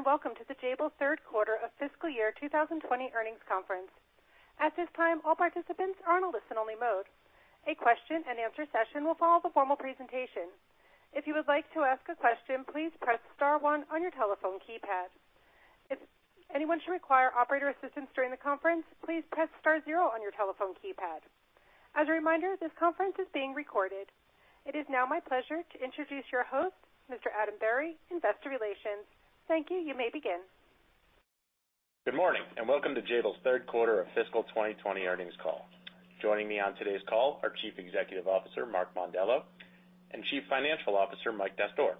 Greetings and welcome to the Jabil Third Quarter of Fiscal Year 2020 Earnings Conference. At this time, all participants are in a listen-only mode. A question-and-answer session will follow the formal presentation. If you would like to ask a question, please press star one on your telephone keypad. If anyone should require operator assistance during the conference, please press star zero on your telephone keypad. As a reminder, this conference is being recorded. It is now my pleasure to introduce your host, Mr. Adam Berry, Investor Relations. Thank you. You may begin. Good morning and welcome to Jabil's Third Quarter of Fiscal 2020 Earnings Call. Joining me on today's call are Chief Executive Officer Mark Mondello and Chief Financial Officer Mike Dastoor.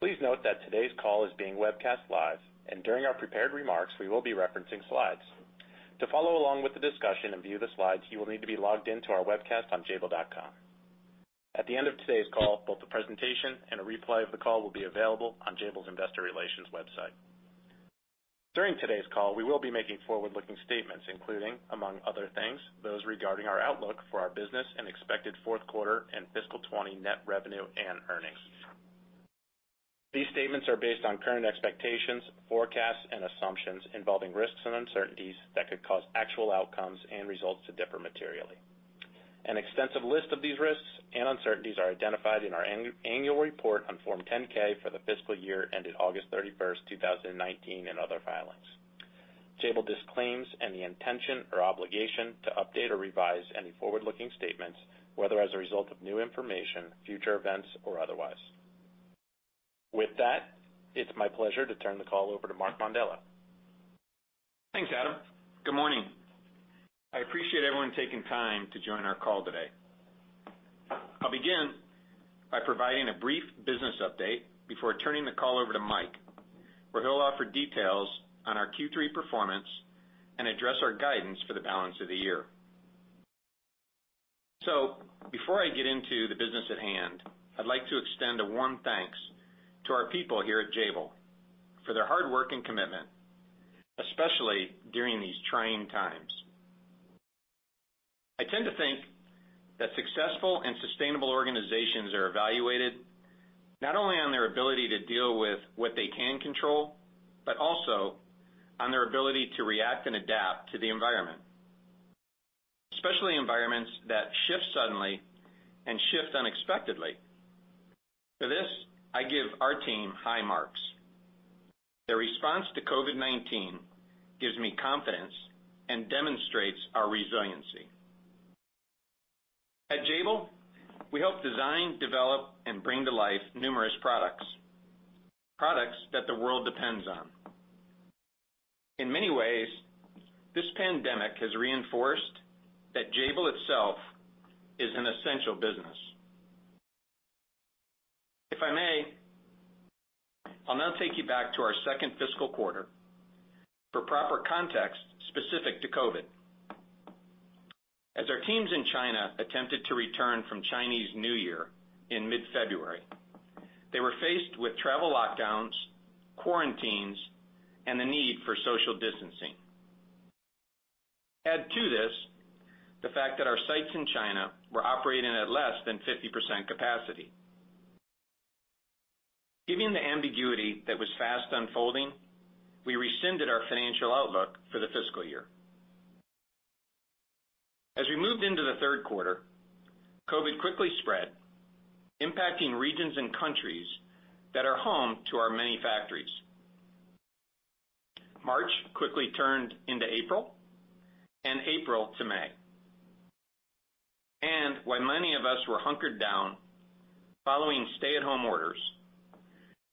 Please note that today's call is being webcast live, and during our prepared remarks, we will be referencing slides. To follow along with the discussion and view the slides, you will need to be logged into our webcast on jabil.com. At the end of today's call, both the presentation and a replay of the call will be available on Jabil's Investor Relations website. During today's call, we will be making forward-looking statements, including, among other things, those regarding our outlook for our business and expected fourth quarter and fiscal 2020 net revenue and earnings. These statements are based on current expectations, forecasts, and assumptions involving risks and uncertainties that could cause actual outcomes and results to differ materially. An extensive list of these risks and uncertainties are identified in our annual report on Form 10-K for the fiscal year ended August 31, 2019, and other filings. Jabil disclaims any intention or obligation to update or revise any forward-looking statements, whether as a result of new information, future events, or otherwise. With that, it's my pleasure to turn the call over to Mark Mondello. Thanks, Adam. Good morning. I appreciate everyone taking time to join our call today. I'll begin by providing a brief business update before turning the call over to Mike, where he'll offer details on our Q3 performance and address our guidance for the balance of the year, so before I get into the business at hand, I'd like to extend a warm thanks to our people here at Jabil for their hard work and commitment, especially during these trying times. I tend to think that successful and sustainable organizations are evaluated not only on their ability to deal with what they can control, but also on their ability to react and adapt to the environment, especially environments that shift suddenly and shift unexpectedly. For this, I give our team high marks. Their response to COVID-19 gives me confidence and demonstrates our resiliency. At Jabil, we help design, develop, and bring to life numerous products, products that the world depends on. In many ways, this pandemic has reinforced that Jabil itself is an essential business. If I may, I'll now take you back to our second fiscal quarter for proper context specific to COVID. As our teams in China attempted to return from Chinese New Year in mid-February, they were faced with travel lockdowns, quarantines, and the need for social distancing. Add to this the fact that our sites in China were operating at less than 50% capacity. Given the ambiguity that was fast unfolding, we rescinded our financial outlook for the fiscal year. As we moved into the third quarter, COVID quickly spread, impacting regions and countries that are home to our many factories. March quickly turned into April and April to May. And while many of us were hunkered down following stay-at-home orders,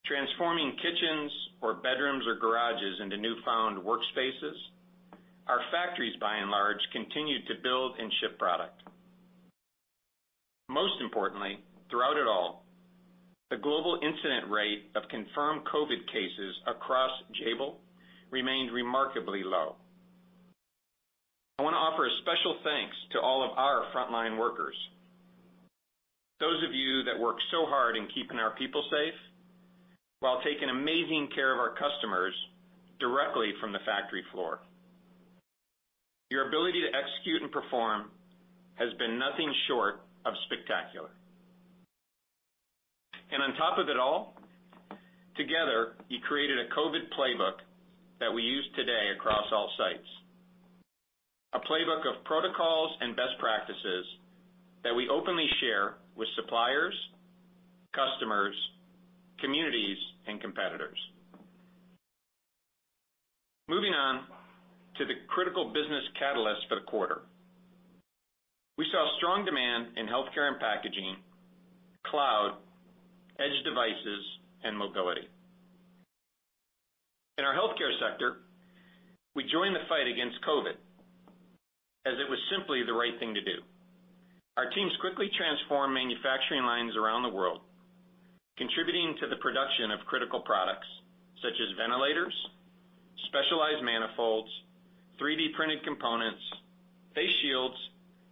transforming kitchens or bedrooms or garages into newfound workspaces, our factories, by and large, continued to build and ship product. Most importantly, throughout it all, the global incident rate of confirmed COVID cases across Jabil remained remarkably low. I want to offer a special thanks to all of our frontline workers, those of you that work so hard in keeping our people safe while taking amazing care of our customers directly from the factory floor. Your ability to execute and perform has been nothing short of spectacular. And on top of it all, together, you created a COVID playbook that we use today across all sites, a playbook of protocols and best practices that we openly share with suppliers, customers, communities, and competitors. Moving on to the critical business catalysts for the quarter, we saw strong demand in healthcare and packaging, cloud, edge devices, and mobility. In our healthcare sector, we joined the fight against COVID as it was simply the right thing to do. Our teams quickly transformed manufacturing lines around the world, contributing to the production of critical products such as ventilators, specialized manifolds, 3D-printed components, face shields,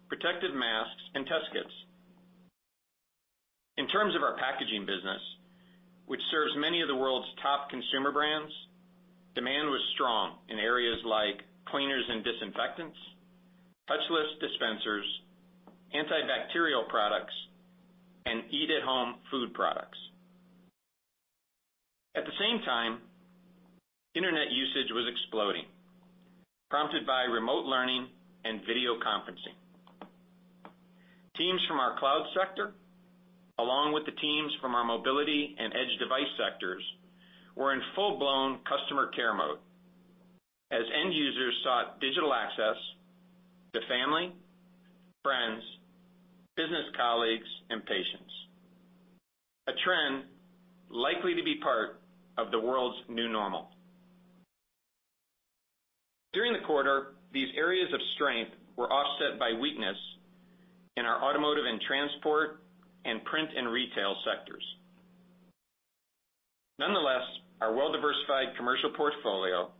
protective masks, and test kits. In terms of our packaging business, which serves many of the world's top consumer brands, demand was strong in areas like cleaners and disinfectants, touchless dispensers, antibacterial products, and eat-at-home food products. At the same time, internet usage was exploding, prompted by remote learning and video conferencing. Teams from our cloud sector, along with the teams from our mobility and edge device sectors, were in full-blown customer care mode as end users sought digital access to family, friends, business colleagues, and patients, a trend likely to be part of the world's new normal. During the quarter, these areas of strength were offset by weakness in our automotive and transport and print and retail sectors. Nonetheless, our well-diversified commercial portfolio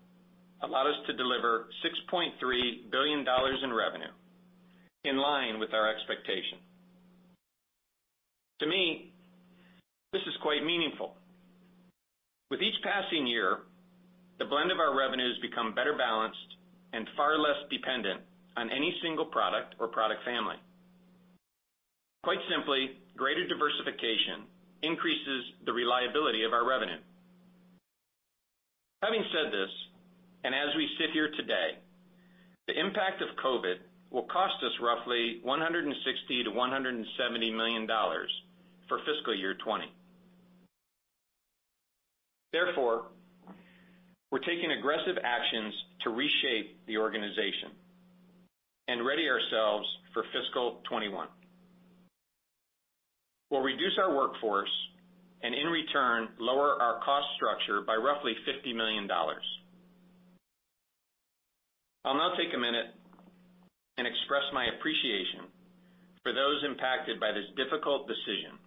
allowed us to deliver $6.3 billion in revenue, in line with our expectation. To me, this is quite meaningful. With each passing year, the blend of our revenues becomes better balanced and far less dependent on any single product or product family. Quite simply, greater diversification increases the reliability of our revenue. Having said this, and as we sit here today, the impact of COVID will cost us roughly $160 million-$170 million for fiscal year 2020. Therefore, we're taking aggressive actions to reshape the organization and ready ourselves for fiscal 2021. We'll reduce our workforce and, in return, lower our cost structure by roughly $50 million. I'll now take a minute and express my appreciation for those impacted by this difficult decision,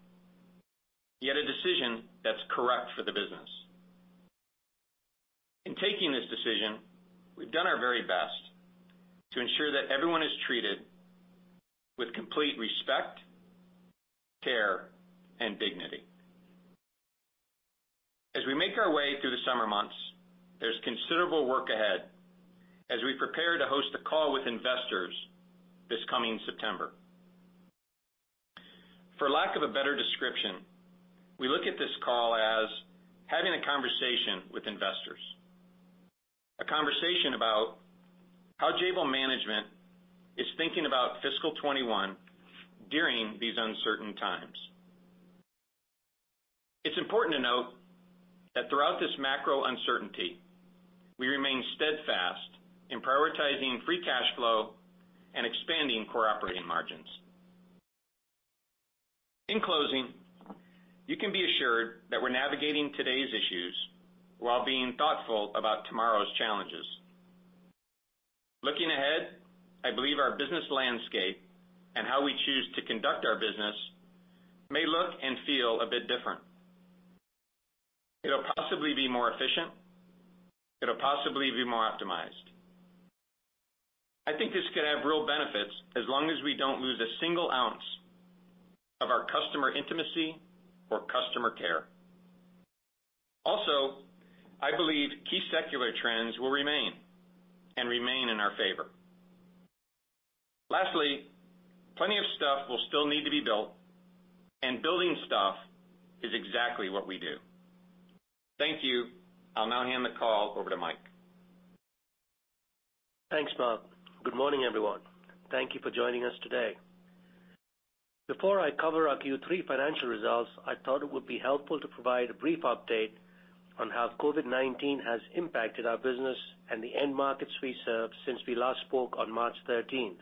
yet a decision that's correct for the business. In taking this decision, we've done our very best to ensure that everyone is treated with complete respect, care, and dignity. As we make our way through the summer months, there's considerable work ahead as we prepare to host a call with investors this coming September. For lack of a better description, we look at this call as having a conversation with investors, a conversation about how Jabil management is thinking about fiscal 2021 during these uncertain times. It's important to note that throughout this macro uncertainty, we remain steadfast in prioritizing free cash flow and expanding core operating margins. In closing, you can be assured that we're navigating today's issues while being thoughtful about tomorrow's challenges. Looking ahead, I believe our business landscape and how we choose to conduct our business may look and feel a bit different. It'll possibly be more efficient. It'll possibly be more optimized. I think this could have real benefits as long as we don't lose a single ounce of our customer intimacy or customer care. Also, I believe key secular trends will remain and remain in our favor. Lastly, plenty of stuff will still need to be built, and building stuff is exactly what we do. Thank you. I'll now hand the call over to Mike. Thanks, Mark. Good morning, everyone. Thank you for joining us today. Before I cover our Q3 financial results, I thought it would be helpful to provide a brief update on how COVID-19 has impacted our business and the end markets we serve since we last spoke on March 13th.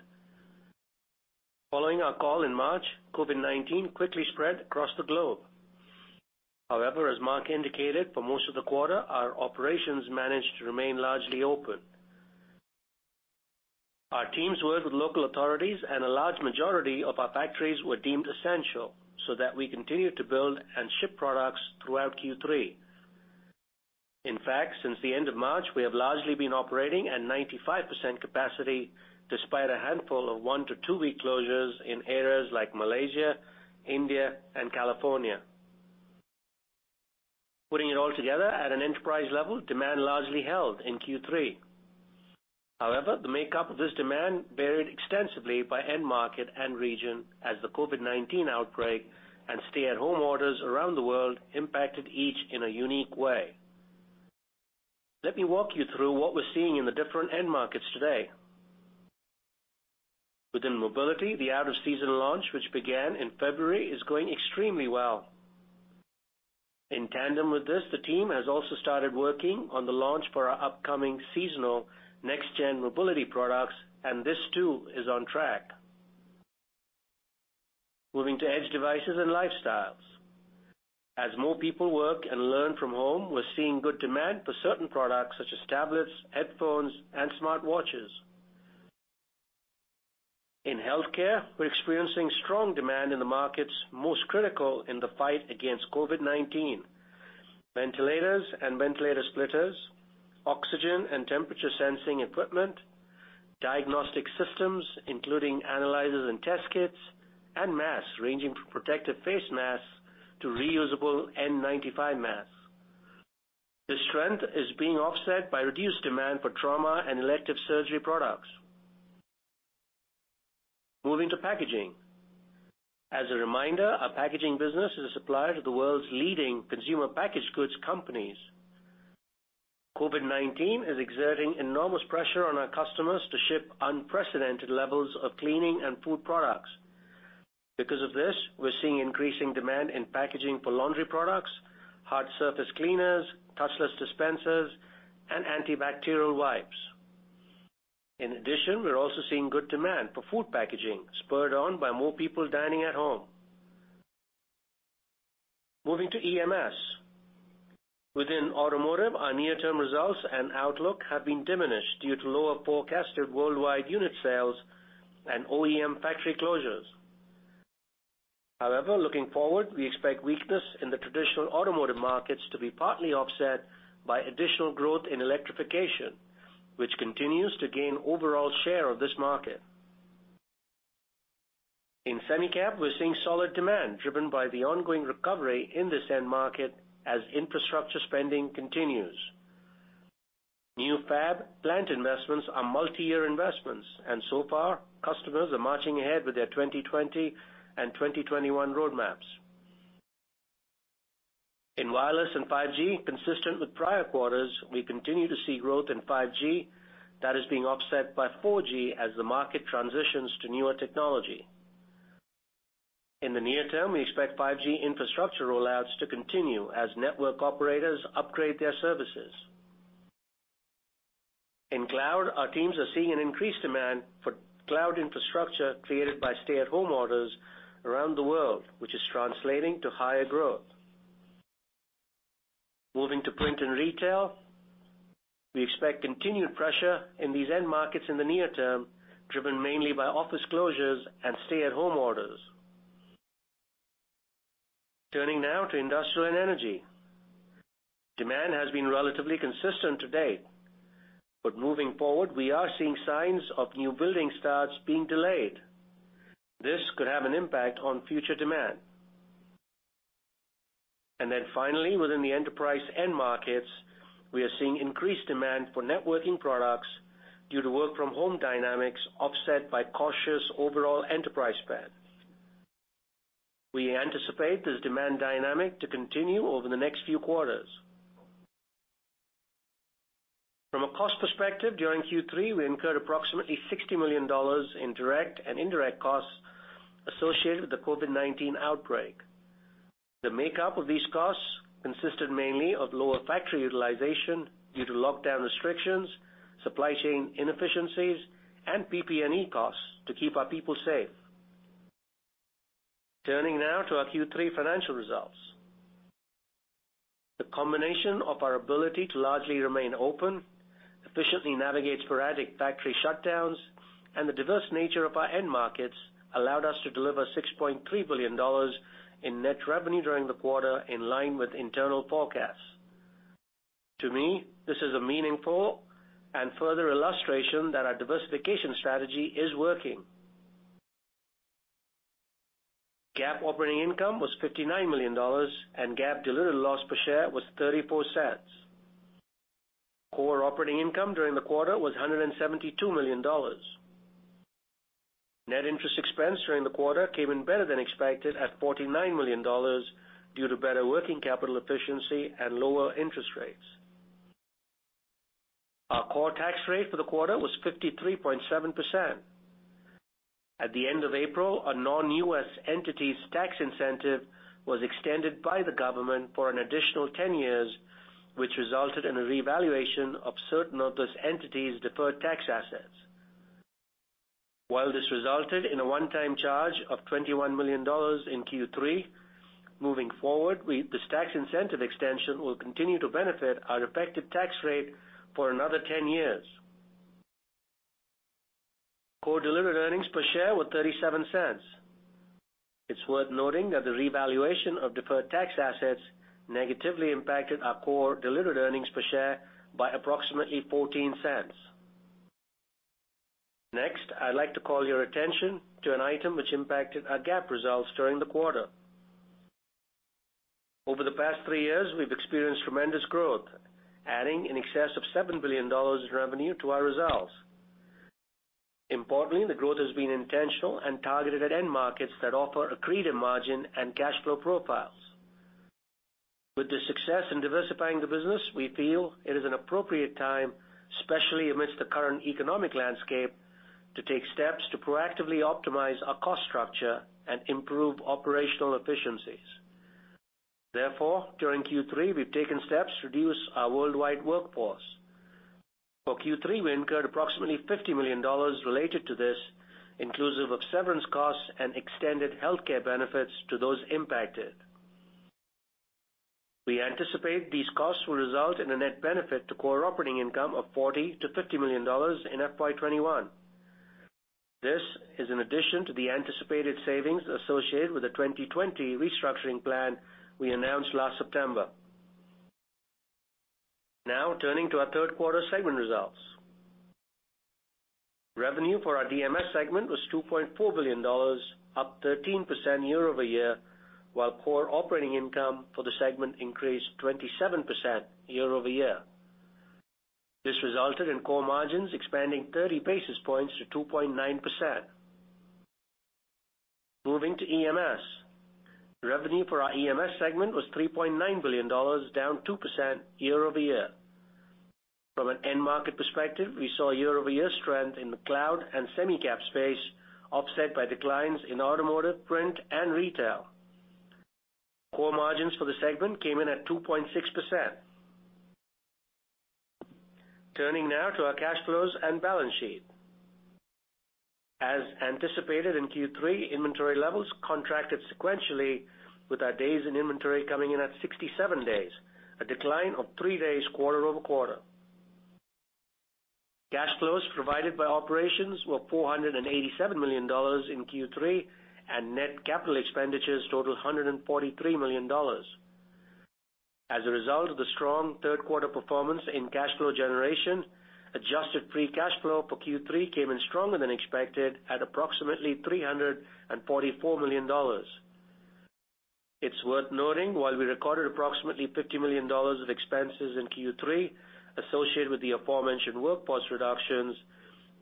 Following our call in March, COVID-19 quickly spread across the globe. However, as Mark indicated, for most of the quarter, our operations managed to remain largely open. Our teams worked with local authorities, and a large majority of our factories were deemed essential so that we continued to build and ship products throughout Q3. In fact, since the end of March, we have largely been operating at 95% capacity despite a handful of 1-2 week closures in areas like Malaysia, India, and California. Putting it all together, at an enterprise level, demand largely held in Q3. However, the makeup of this demand varied extensively by end market and region as the COVID-19 outbreak and stay-at-home orders around the world impacted each in a unique way. Let me walk you through what we're seeing in the different end markets today. Within mobility, the out-of-season launch, which began in February, is going extremely well. In tandem with this, the team has also started working on the launch for our upcoming seasonal next-gen mobility products, and this too is on track. Moving to edge devices and lifestyles. As more people work and learn from home, we're seeing good demand for certain products such as tablets, headphones, and smartwatches. In healthcare, we're experiencing strong demand in the markets most critical in the fight against COVID-19: ventilators and ventilator splitters, oxygen and temperature sensing equipment, diagnostic systems including analyzers and test kits, and masks ranging from protective face masks to reusable N95 masks. This trend is being offset by reduced demand for trauma and elective surgery products. Moving to packaging. As a reminder, our packaging business is a supplier to the world's leading consumer packaged goods companies. COVID-19 is exerting enormous pressure on our customers to ship unprecedented levels of cleaning and food products. Because of this, we're seeing increasing demand in packaging for laundry products, hard surface cleaners, touchless dispensers, and antibacterial wipes. In addition, we're also seeing good demand for food packaging, spurred on by more people dining at home. Moving to EMS. Within automotive, our near-term results and outlook have been diminished due to lower forecasted worldwide unit sales and OEM factory closures. However, looking forward, we expect weakness in the traditional automotive markets to be partly offset by additional growth in electrification, which continues to gain overall share of this market. In semiconductors, we're seeing solid demand driven by the ongoing recovery in this end market as infrastructure spending continues. New fab plant investments are multi-year investments, and so far, customers are marching ahead with their 2020 and 2021 roadmaps. In wireless and 5G, consistent with prior quarters, we continue to see growth in 5G that is being offset by 4G as the market transitions to newer technology. In the near term, we expect 5G infrastructure rollouts to continue as network operators upgrade their services. In cloud, our teams are seeing an increased demand for cloud infrastructure created by stay-at-home orders around the world, which is translating to higher growth. Moving to print and retail, we expect continued pressure in these end markets in the near term, driven mainly by office closures and stay-at-home orders. Turning now to industrial and energy. Demand has been relatively consistent to date, but moving forward, we are seeing signs of new building starts being delayed. This could have an impact on future demand, and then finally, within the enterprise end markets, we are seeing increased demand for networking products due to work-from-home dynamics offset by cautious overall enterprise spend. We anticipate this demand dynamic to continue over the next few quarters. From a cost perspective, during Q3, we incurred approximately $60 million in direct and indirect costs associated with the COVID-19 outbreak. The makeup of these costs consisted mainly of lower factory utilization due to lockdown restrictions, supply chain inefficiencies, and PE costs to keep our people safe. Turning now to our Q3 financial results. The combination of our ability to largely remain open, efficiently navigate sporadic factory shutdowns, and the diverse nature of our end markets allowed us to deliver $6.3 billion in net revenue during the quarter in line with internal forecasts. To me, this is a meaningful and further illustration that our diversification strategy is working. GAAP operating income was $59 million, and GAAP diluted loss per share was $0.34. Core operating income during the quarter was $172 million. Net interest expense during the quarter came in better than expected at $49 million due to better working capital efficiency and lower interest rates. Our core tax rate for the quarter was 53.7%. At the end of April, a non-U.S. entity's tax incentive was extended by the government for an additional 10 years, which resulted in a revaluation of certain of those entities' deferred tax assets. While this resulted in a one-time charge of $21 million in Q3, moving forward, this tax incentive extension will continue to benefit our effective tax rate for another 10 years. Core delivered earnings per share were $0.37. It's worth noting that the revaluation of deferred tax assets negatively impacted our core delivered earnings per share by approximately $0.14. Next, I'd like to call your attention to an item which impacted our GAAP results during the quarter. Over the past three years, we've experienced tremendous growth, adding in excess of $7 billion in revenue to our results. Importantly, the growth has been intentional and targeted at end markets that offer accretive margin and cash flow profiles. With the success in diversifying the business, we feel it is an appropriate time, especially amidst the current economic landscape, to take steps to proactively optimize our cost structure and improve operational efficiencies. Therefore, during Q3, we've taken steps to reduce our worldwide workforce. For Q3, we incurred approximately $50 million related to this, inclusive of severance costs and extended healthcare benefits to those impacted. We anticipate these costs will result in a net benefit to core operating income of $40 million-$50 million in FY2021. This is in addition to the anticipated savings associated with the 2020 restructuring plan we announced last September. Now, turning to our third quarter segment results. Revenue for our DMS segment was $2.4 billion, up 13% year-over-year, while core operating income for the segment increased 27% year-over-year. This resulted in core margins expanding 30 basis points to 2.9%. Moving to EMS. Revenue for our EMS segment was $3.9 billion, down 2% year-over-year. From an end market perspective, we saw year-over-year strength in the cloud and semiconductor space, offset by declines in automotive, print, and retail. Core margins for the segment came in at 2.6%. Turning now to our cash flows and balance sheet. As anticipated in Q3, inventory levels contracted sequentially, with our days in inventory coming in at 67 days, a decline of three days quarter-over-quarter. Cash flows provided by operations were $487 million in Q3, and net capital expenditures totaled $143 million. As a result of the strong third quarter performance in cash flow generation, adjusted free cash flow for Q3 came in stronger than expected at approximately $344 million. It's worth noting, while we recorded approximately $50 million of expenses in Q3 associated with the aforementioned workforce reductions,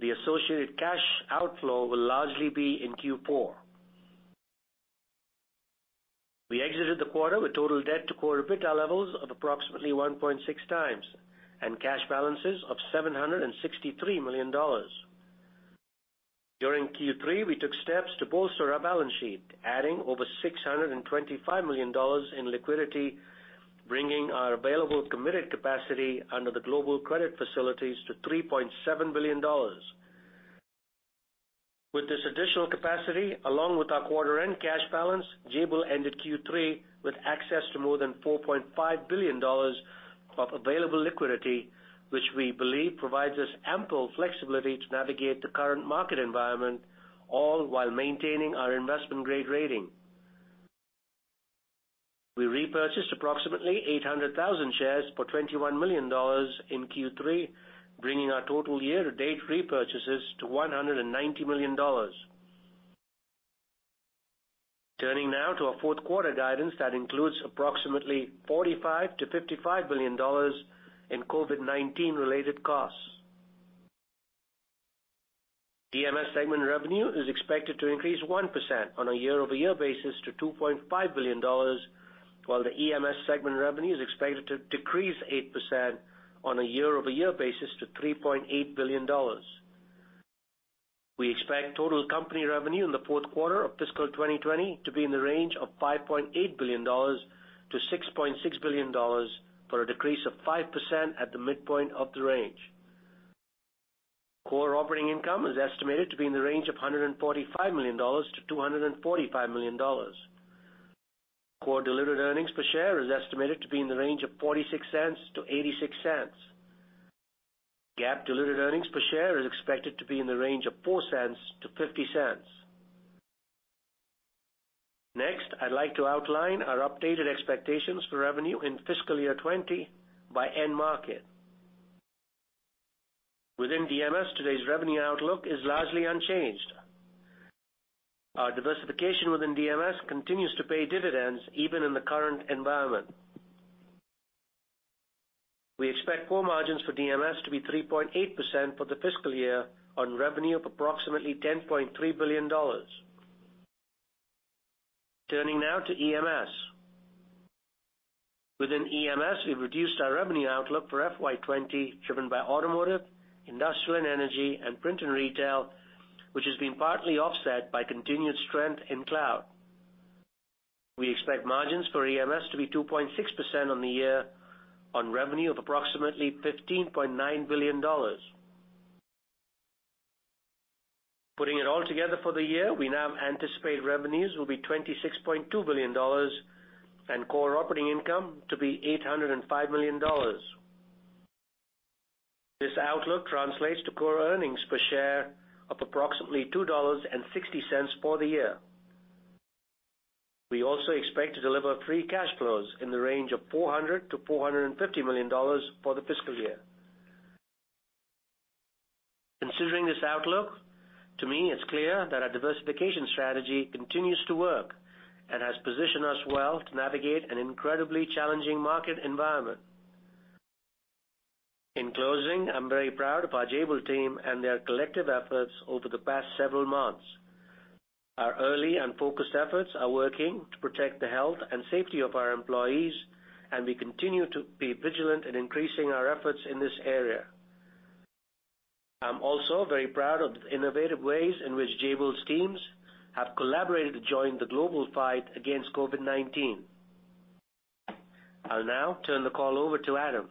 the associated cash outflow will largely be in Q4. We exited the quarter with total debt to core EBITDA levels of approximately 1.6 times and cash balances of $763 million. During Q3, we took steps to bolster our balance sheet, adding over $625 million in liquidity, bringing our available committed capacity under the global credit facilities to $3.7 billion. With this additional capacity, along with our quarter-end cash balance, Jabil ended Q3 with access to more than $4.5 billion of available liquidity, which we believe provides us ample flexibility to navigate the current market environment, all while maintaining our investment-grade rating. We repurchased approximately 800,000 shares for $21 million in Q3, bringing our total year-to-date repurchases to $190 million. Turning now to our fourth quarter guidance that includes approximately $45 million-$55 million in COVID-19-related costs. DMS segment revenue is expected to increase 1% on a year-over-year basis to $2.5 billion, while the EMS segment revenue is expected to decrease 8% on a year-over-year basis to $3.8 billion. We expect total company revenue in the fourth quarter of fiscal 2020 to be in the range of $5.8 billion-$6.6 billion for a decrease of 5% at the midpoint of the range. Core operating income is estimated to be in the range of $145 million-$245 million. Core diluted earnings per share is estimated to be in the range of $0.46-$0.86. GAAP diluted earnings per share is expected to be in the range of $0.04-$0.50. Next, I'd like to outline our updated expectations for revenue in fiscal year 2020 by end market. Within DMS, today's revenue outlook is largely unchanged. Our diversification within DMS continues to pay dividends even in the current environment. We expect core margins for DMS to be 3.8% for the fiscal year on revenue of approximately $10.3 billion. Turning now to EMS. Within EMS, we've reduced our revenue outlook for FY2020 driven by automotive, industrial and energy, and print and retail, which has been partly offset by continued strength in cloud. We expect margins for EMS to be 2.6% on the year on revenue of approximately $15.9 billion. Putting it all together for the year, we now anticipate revenues will be $26.2 billion and core operating income to be $805 million. This outlook translates to core earnings per share of approximately $2.60 for the year. We also expect to deliver free cash flows in the range of $400 million to $450 million for the fiscal year. Considering this outlook, to me, it's clear that our diversification strategy continues to work and has positioned us well to navigate an incredibly challenging market environment. In closing, I'm very proud of our Jabil team and their collective efforts over the past several months. Our early and focused efforts are working to protect the health and safety of our employees, and we continue to be vigilant in increasing our efforts in this area. I'm also very proud of the innovative ways in which Jabil's teams have collaborated to join the global fight against COVID-19. I'll now turn the call over to Adam.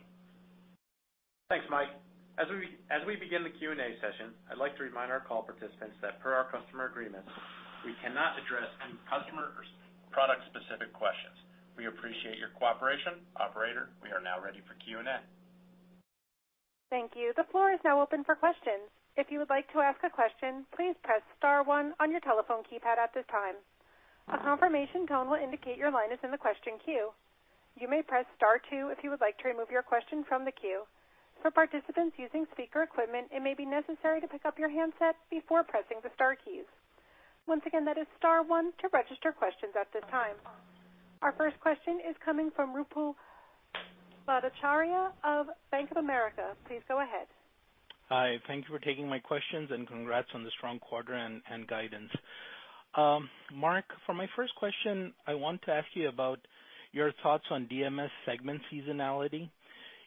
Thanks, Mike. As we begin the Q&A session, I'd like to remind our call participants that per our customer agreements, we cannot address any customer or product-specific questions. We appreciate your cooperation. Operator, we are now ready for Q&A. Thank you. The floor is now open for questions. Hi. Thank you for taking my questions and congrats on the strong quarter and guidance. Mark, for my first question, I want to ask you about your thoughts on DMS segment seasonality.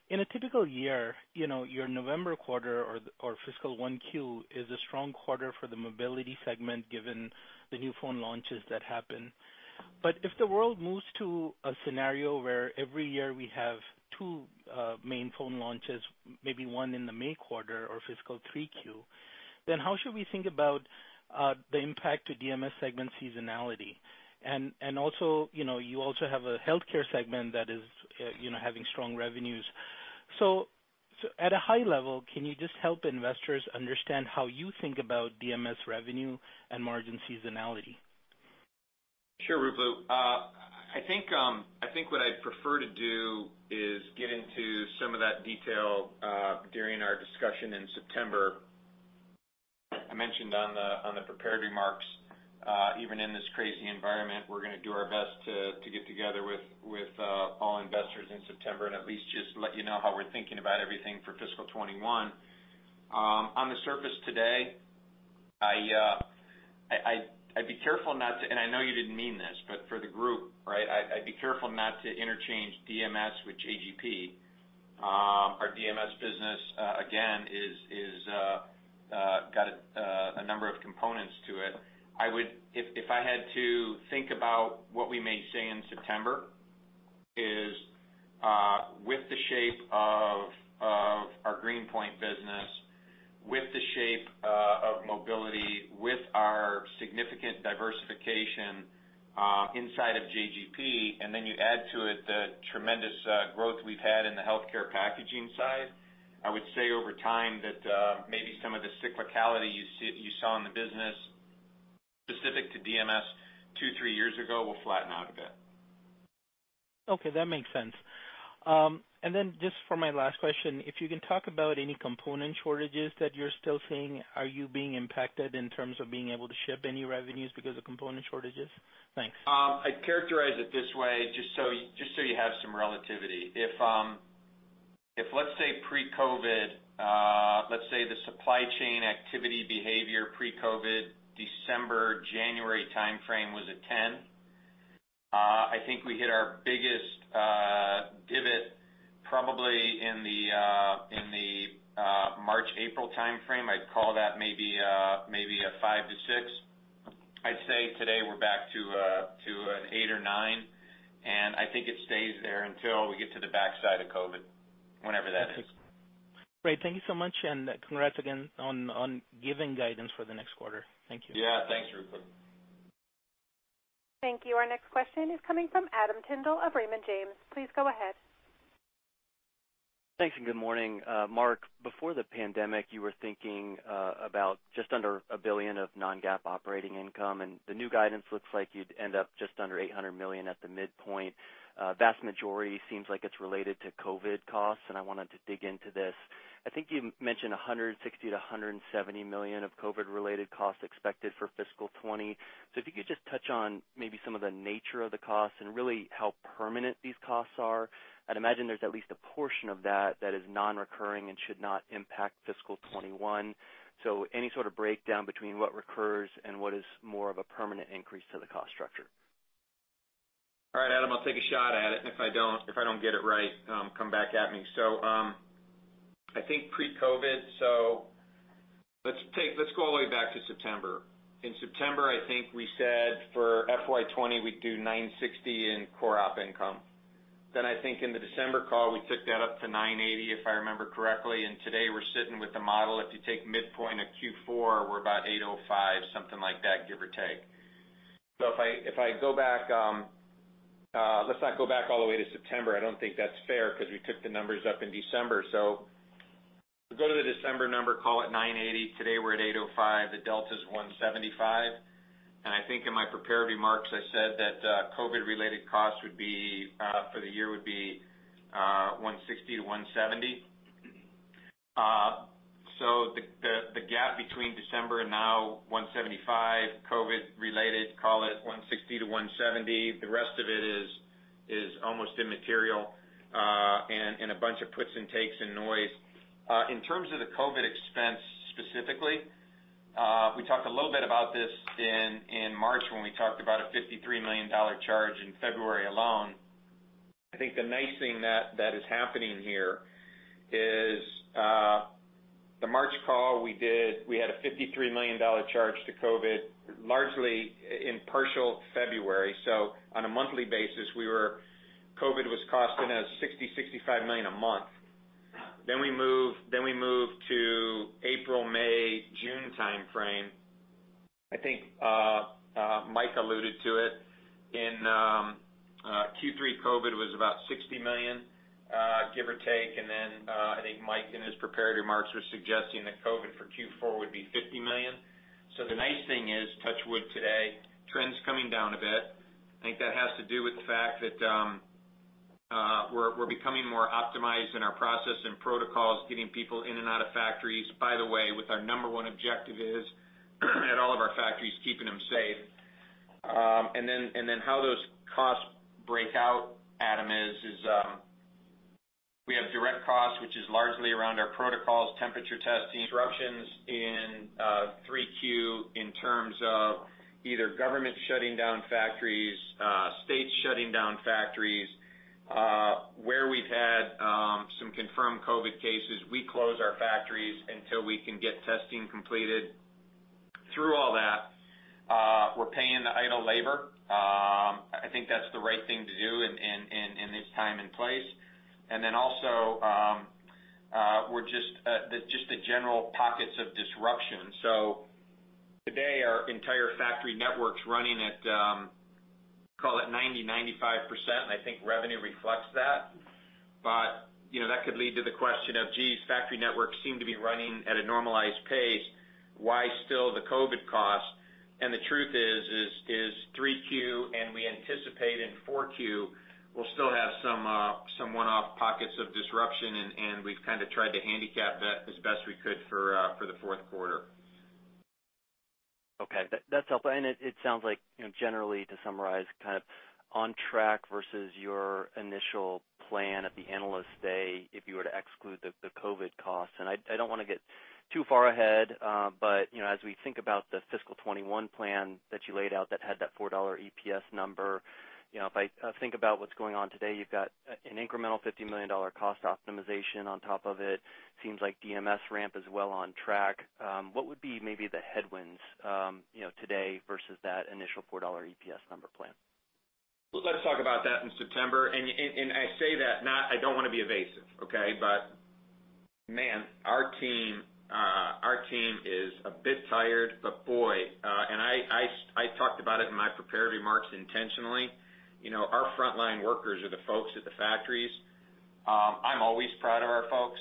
In a typical year, your November quarter or fiscal 1Q is a strong quarter for the mobility segment given the new phone launches that happen. But if the world moves to a scenario where every year we have two main phone launches, maybe one in the May quarter or fiscal 3Q, then how should we think about the impact of DMS segment seasonality? And also, you also have a healthcare segment that is having strong revenues. So at a high level, can you just help investors understand how you think about DMS revenue and margin seasonality? Sure, Ruplu. I think what I'd prefer to do is get into some of that detail during our discussion in September. I mentioned on the prepared remarks, even in this crazy environment, we're going to do our best to get together with all investors in September and at least just let you know how we're thinking about everything for fiscal 2021. On the surface today, I'd be careful not to, and I know you didn't mean this, but for the group, right, I'd be careful not to interchange DMS with JGP. Our DMS business, again, has got a number of components to it. If I had to think about what we may say in September, is with the shape of our Green Point business, with the shape of mobility, with our significant diversification inside of JGP, and then you add to it the tremendous growth we've had in the healthcare packaging side, I would say over time that maybe some of the cyclicality you saw in the business specific to DMS two, three years ago will flatten out a bit. Okay. That makes sense. And then just for my last question, if you can talk about any component shortages that you're still seeing, are you being impacted in terms of being able to ship any revenues because of component shortages? Thanks. I'd characterize it this way just so you have some relativity. If, let's say, pre-COVID, let's say the supply chain activity behavior pre-COVID December, January timeframe was a 10, I think we hit our biggest divot probably in the March-April timeframe. I'd call that maybe a five to six. I'd say today we're back to an eight or nine. And I think it stays there until we get to the backside of COVID, whenever that is. Okay. Great. Thank you so much. And congrats again on giving guidance for the next quarter. Thank you. Yeah. Thanks, Ruplu. Thank you. Our next question is coming from Adam Tindle of Raymond James. Please go ahead. Thanks and good morning. Mark, before the pandemic, you were thinking about just under $1 billion of non-GAAP operating income. And the new guidance looks like you'd end up just under $800 million at the midpoint. Vast majority seems like it's related to COVID costs. I wanted to dig into this. I think you mentioned $160 million-$170 million of COVID-related costs expected for fiscal 2020. So if you could just touch on maybe some of the nature of the costs and really how permanent these costs are. I'd imagine there's at least a portion of that that is non-recurring and should not impact fiscal 2021. So any sort of breakdown between what recurs and what is more of a permanent increase to the cost structure. All right, Adam. I'll take a shot at it. And if I don't get it right, come back at me. So I think pre-COVID, so let's go all the way back to September. In September, I think we said for FY2020, we'd do $960 million in core op income. Then I think in the December call, we took that up to $980 million, if I remember correctly. And today, we're sitting with the model. If you take midpoint of Q4, we're about $805 million, something like that, give or take. So if I go back, let's not go back all the way to September. I don't think that's fair because we took the numbers up in December. So go to the December number, call it $980 million. Today, we're at $805 million. The delta is $175 million. And I think in my prepared remarks, I said that COVID-related costs would be for the year $160 million-$170 million. So the gap between December and now, $175 million, COVID-related, call it $160 million-$170 million. The rest of it is almost immaterial and a bunch of puts and takes and noise. In terms of the COVID expense specifically, we talked a little bit about this in March when we talked about a $53 million charge in February alone. I think the nice thing that is happening here is the March call we did. We had a $53 million charge to COVID largely in partial February. So on a monthly basis, COVID was costing us $60 million-$65 million a month. Then we moved to April, May, June timeframe. I think Mike alluded to it. In Q3, COVID was about $60 million, give or take. And then I think Mike in his prepared remarks was suggesting that COVID for Q4 would be $50 million. So the nice thing is, touch wood today, trend's coming down a bit. I think that has to do with the fact that we're becoming more optimized in our process and protocols, getting people in and out of factories. By the way, with our number one objective is at all of our factories, keeping them safe. And then how those costs break out, Adam, is we have direct costs, which is largely around our protocols, temperature testing. Disruptions in 3Q in terms of either government shutting down factories, states shutting down factories, where we've had some confirmed COVID cases. We close our factories until we can get testing completed. Through all that, we're paying the idle labor. I think that's the right thing to do in this time and place. And then also, there's just the general pockets of disruption. So today, our entire factory network's running at, call it 90%-95%. And I think revenue reflects that. But that could lead to the question of, "Geez, factory networks seem to be running at a normalized pace. Why still the COVID costs?" And the truth is, is 3Q and we anticipate in 4Q, we'll still have some one-off pockets of disruption. And we've kind of tried to handicap that as best we could for the fourth quarter. Okay. That's helpful. And it sounds like, generally, to summarize, kind of on track versus your initial plan at the Analyst Day if you were to exclude the COVID costs. And I don't want to get too far ahead, but as we think about the fiscal 2021 plan that you laid out that had that $4 EPS number, if I think about what's going on today, you've got an incremental $50 million cost optimization on top of it. Seems like DMS ramp is well on track. What would be maybe the headwinds today versus that initial $4 EPS number plan? Let's talk about that in September. And I say that not I don't want to be evasive, okay? But man, our team is a bit tired, but boy. And I talked about it in my prepared remarks intentionally. Our frontline workers are the folks at the factories. I'm always proud of our folks.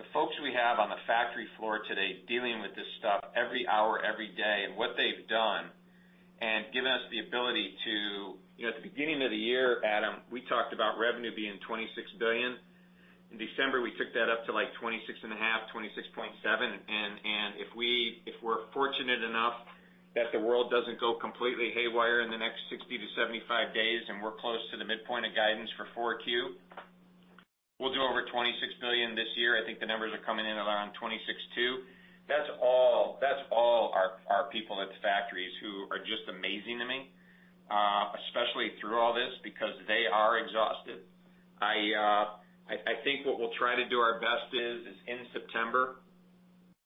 The folks we have on the factory floor today dealing with this stuff every hour, every day, and what they've done and given us the ability to, at the beginning of the year, Adam, we talked about revenue being $26 billion. In December, we took that up to like $26.5 billion-$26.7 billion. And if we're fortunate enough that the world doesn't go completely haywire in the next 60 to 75 days and we're close to the midpoint of guidance for 4Q, we'll do over $26 billion this year. I think the numbers are coming in around $26.2 billion. That's all our people at the factories who are just amazing to me, especially through all this because they are exhausted. I think what we'll try to do our best is in September,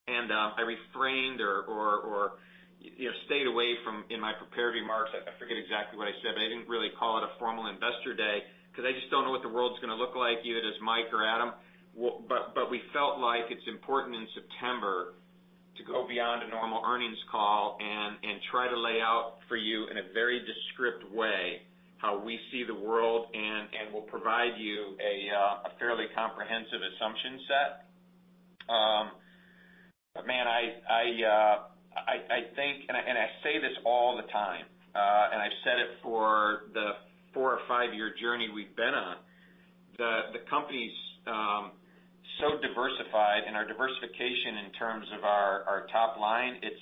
and I refrained or stayed away from, in my prepared remarks, I forget exactly what I said, but I didn't really call it a formal investor day because I just don't know what the world's going to look like, either as Mike or Adam, but we felt like it's important in September to go beyond a normal earnings call and try to lay out for you in a very descriptive way how we see the world and will provide you a fairly comprehensive assumption set. But man, I think, and I say this all the time, and I've said it for the four or five-year journey we've been on, that the company's so diversified and our diversification in terms of our top line, it's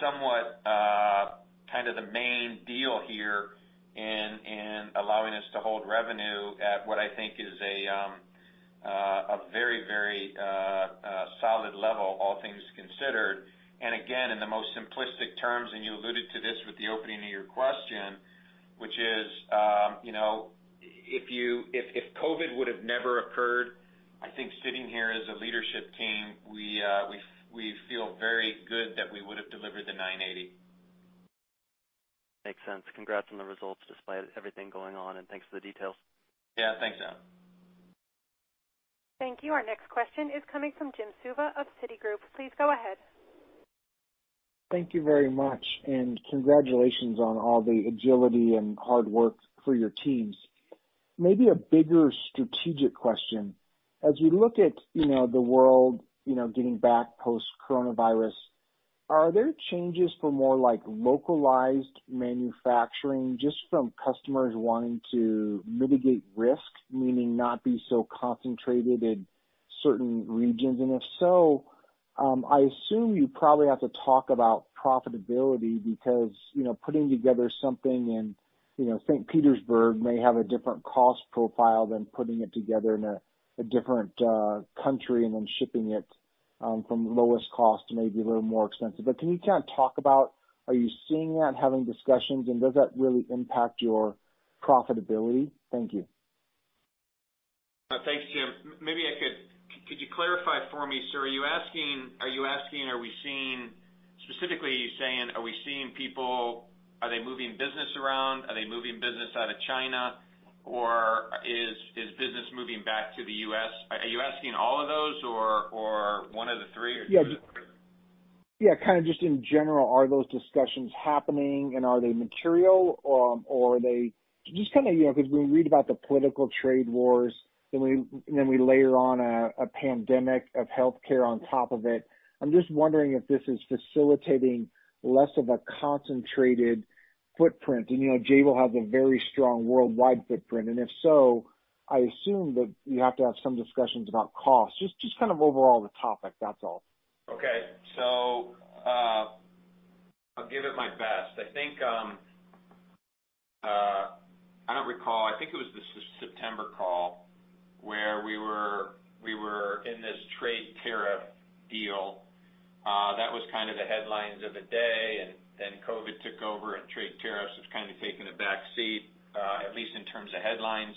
somewhat kind of the main deal here in allowing us to hold revenue at what I think is a very, very solid level, all things considered. And again, in the most simplistic terms, and you alluded to this with the opening of your question, which is if COVID would have never occurred, I think sitting here as a leadership team, we feel very good that we would have delivered the $980 million. Makes sense. Congrats on the results despite everything going on and thanks for the details. Yeah. Thanks, Adam. Thank you. Our next question is coming from Jim Suva of Citigroup. Please go ahead. Thank you very much. And congratulations on all the agility and hard work for your teams. Maybe a bigger strategic question. As we look at the world getting back post-coronavirus, are there changes for more localized manufacturing just from customers wanting to mitigate risk, meaning not be so concentrated in certain regions? And if so, I assume you probably have to talk about profitability because putting together something in St. Petersburg may have a different cost profile than putting it together in a different country and then shipping it from lowest cost to maybe a little more expensive. But can you kind of talk about, are you seeing that, having discussions, and does that really impact your profitability? Thank you. Thanks, Jim. Maybe I could. Could you clarify for me, sir? Are you asking, are we seeing specifically you saying, are we seeing people, are they moving business around? Are they moving business out of China? Or is business moving back to the U.S.? Are you asking all of those or one of the three? Yeah. Just yeah, kind of just in general, are those discussions happening and are they material or are they just kind of because when we read about the political trade wars, then we layer on a pandemic of healthcare on top of it. I'm just wondering if this is facilitating less of a concentrated footprint, and Jabil has a very strong worldwide footprint, and if so, I assume that you have to have some discussions about costs, just kind of overall the topic. That's all. Okay, so I'll give it my best. I think I don't recall. I think it was the September call where we were in this trade tariff deal. That was kind of the headlines of the day. And then COVID took over and trade tariffs have kind of taken a backseat, at least in terms of headlines.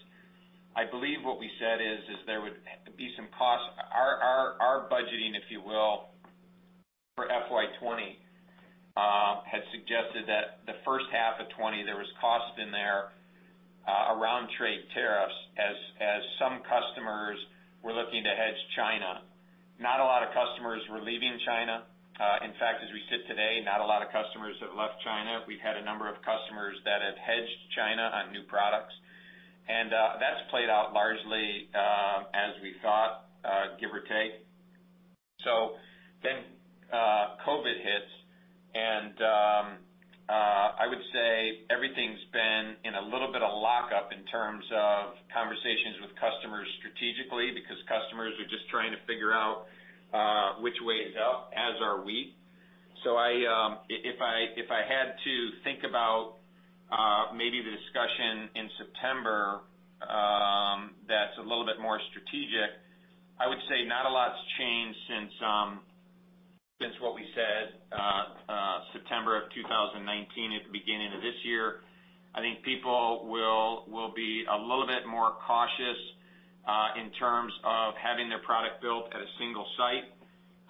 I believe what we said is there would be some costs. Our budgeting, if you will, for FY2020 had suggested that the first half of 2020, there was cost in there around trade tariffs as some customers were looking to hedge China. Not a lot of customers were leaving China. In fact, as we sit today, not a lot of customers have left China. We've had a number of customers that have hedged China on new products. And that's played out largely as we thought, give or take. So then COVID hits. And I would say everything's been in a little bit of lockup in terms of conversations with customers strategically because customers are just trying to figure out which way is up, as are we. So if I had to think about maybe the discussion in September that's a little bit more strategic, I would say not a lot's changed since what we said September of 2019 at the beginning of this year. I think people will be a little bit more cautious in terms of having their product built at a single site.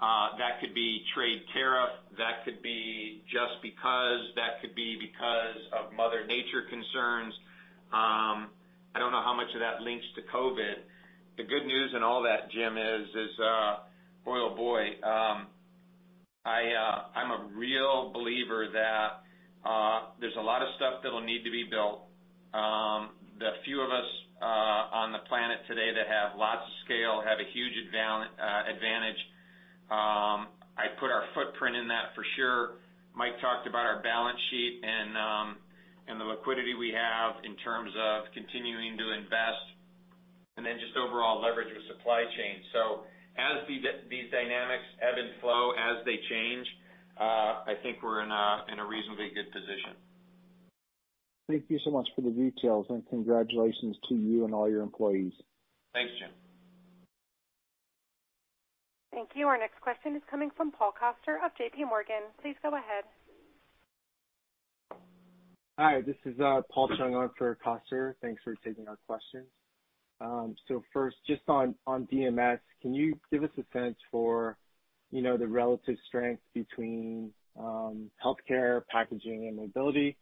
That could be trade tariff. That could be just because. That could be because of mother nature concerns. I don't know how much of that links to COVID. The good news in all that, Jim, is, boy, oh boy, I'm a real believer that there's a lot of stuff that'll need to be built. The few of us on the planet today that have lots of scale have a huge advantage. I put our footprint in that for sure. Mike talked about our balance sheet and the liquidity we have in terms of continuing to invest. And then just overall leverage with supply chain. So as these dynamics ebb and flow, as they change, I think we're in a reasonably good position. Thank you so much for the details. And congratulations to you and all your employees. Thanks, Jim. Thank you. Our next question is coming from Paul Coster of JPMorgan. Please go ahead. Hi. This is Paul Chung on for Coster. Thanks for taking our questions. So first, just on DMS, can you give us a sense for the relative strength between healthcare, packaging, and mobility?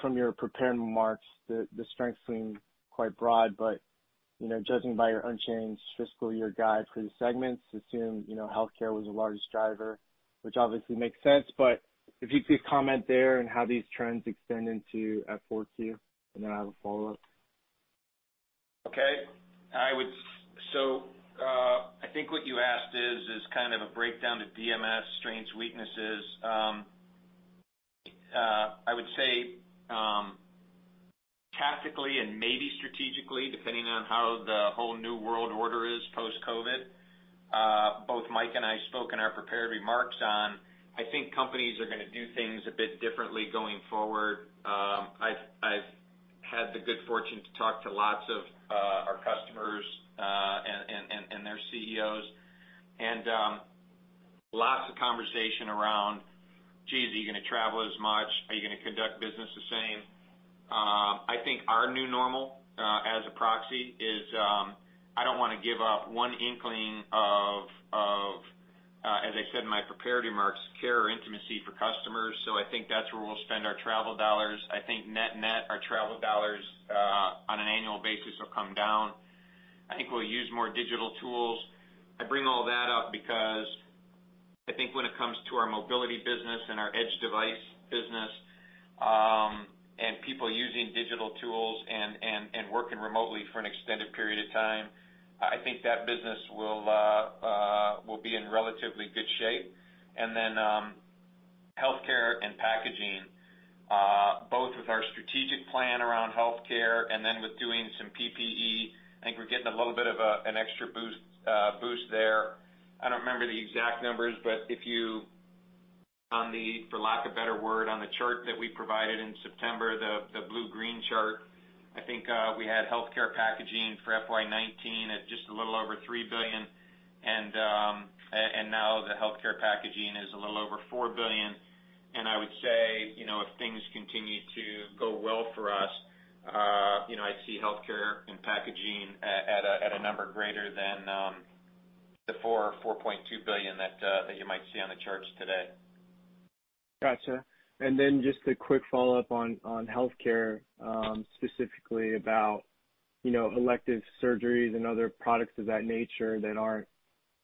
From your prepared remarks, the strengths seem quite broad. But judging by your unchanged fiscal year guide for the segments, assume healthcare was the largest driver, which obviously makes sense. But if you could comment there and how these trends extend into 4Q, and then I have a follow-up. Okay. So I think what you asked is kind of a breakdown of DMS, strengths, weaknesses. I would say tactically and maybe strategically, depending on how the whole new world order is post-COVID. Both Mike and I spoke in our prepared remarks on. I think companies are going to do things a bit differently going forward. I've had the good fortune to talk to lots of our customers and their CEOs and lots of conversation around, "Geez, are you going to travel as much? Are you going to conduct business the same?" I think our new normal as a proxy is I don't want to give up one inkling of, as I said in my prepared remarks, care or intimacy for customers. So I think that's where we'll spend our travel dollars. I think net-net, our travel dollars on an annual basis will come down. I think we'll use more digital tools. I bring all that up because I think when it comes to our mobility business and our edge device business and people using digital tools and working remotely for an extended period of time, I think that business will be in relatively good shape. And then healthcare and packaging, both with our strategic plan around healthcare and then with doing some PPE, I think we're getting a little bit of an extra boost there. I don't remember the exact numbers, but if you, for lack of a better word, on the chart that we provided in September, the blue-green chart, I think we had healthcare packaging for FY2019 at just a little over $3 billion. And now the healthcare packaging is a little over $4 billion. And I would say if things continue to go well for us, I see healthcare and packaging at a number greater than the $4 billion, $4.2 billion that you might see on the charts today. Gotcha. And then just a quick follow-up on healthcare, specifically about elective surgeries and other products of that nature that aren't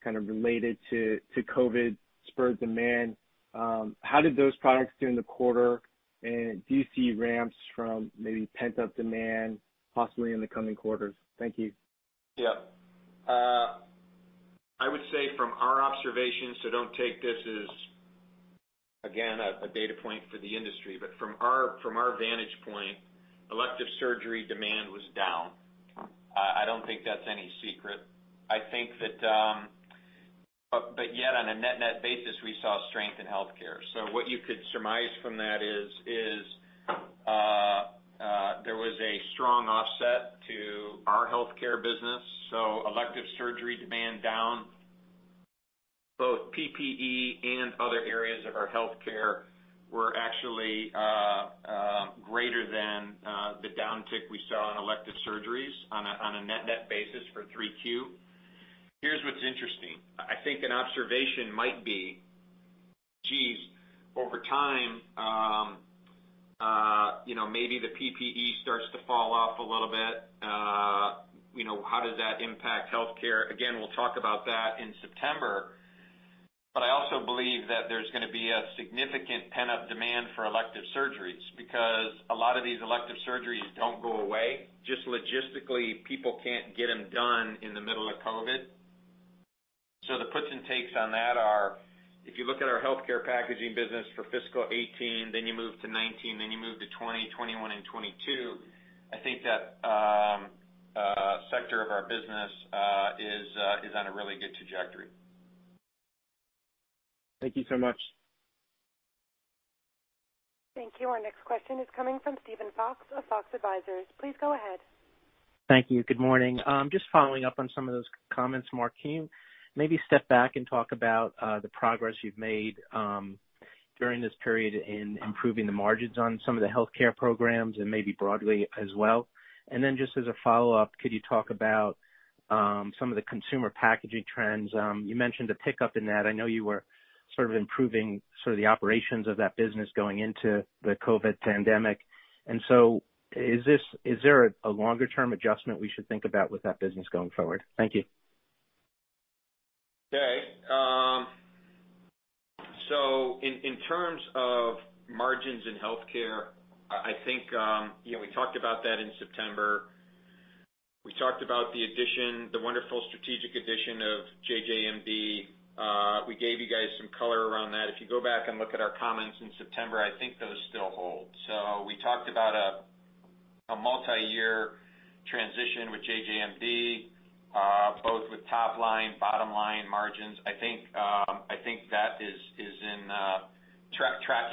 kind of related to COVID spurred demand. How did those products do in the quarter? And do you see ramps from maybe pent-up demand possibly in the coming quarters? Thank you. Yep. I would say from our observations, so don't take this as, again, a data point for the industry, but from our vantage point, elective surgery demand was down. I don't think that's any secret. I think that, but yet on a net-net basis, we saw strength in healthcare. So what you could surmise from that is there was a strong offset to our healthcare business. So elective surgery demand down. Both PPE and other areas of our healthcare were actually greater than the downtick we saw in elective surgeries on a net-net basis for 3Q. Here's what's interesting. I think an observation might be, "Geez, over time, maybe the PPE starts to fall off a little bit. How does that impact healthcare?" Again, we'll talk about that in September. But I also believe that there's going to be a significant pent-up demand for elective surgeries because a lot of these elective surgeries don't go away. Just logistically, people can't get them done in the middle of COVID. So the puts and takes on that are, if you look at our healthcare packaging business for fiscal 2018, then you move to 2019, then you move to 2020, 2021, and 2022, I think that sector of our business is on a really good trajectory. Thank you so much. Thank you. Our next question is coming from Steven Fox of Fox Advisors. Please go ahead. Thank you. Good morning. Just following up on some of those comments, Mark, can you maybe step back and talk about the progress you've made during this period in improving the margins on some of the healthcare programs and maybe broadly as well? And then just as a follow-up, could you talk about some of the consumer packaging trends? You mentioned a pickup in that. I know you were sort of improving sort of the operations of that business going into the COVID pandemic. And so is there a longer-term adjustment we should think about with that business going forward? Thank you. Okay. So in terms of margins in healthcare, I think we talked about that in September. We talked about the wonderful strategic addition of JJMD. We gave you guys some color around that. If you go back and look at our comments in September, I think those still hold. So we talked about a multi-year transition with JJMD, both with top line, bottom line, margins. I think that is on track